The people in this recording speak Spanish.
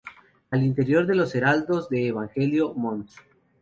Al interior de los Heraldos del Evangelio, Mons.